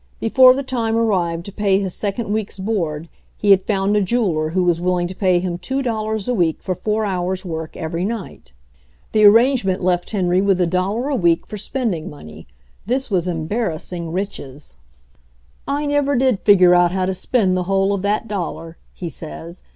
Before the time arrived to pay his second week's board he had found a jeweler who was willing to pay him two dollars a week for four hours' work every night. The arrangement left Henry with a dollar a AN EXACTING ROUTINE 23 week for spending money. This was embar rassing riches. "I never did figure out how to spend the whole of that dollar," he says.